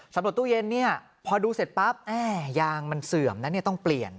ตู้เย็นเนี่ยพอดูเสร็จปั๊บยางมันเสื่อมนะเนี่ยต้องเปลี่ยน